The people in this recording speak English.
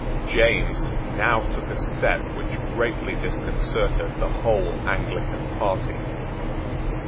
James now took a step which greatly disconcerted the whole Anglican party.